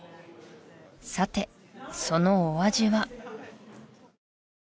さてそのお味は？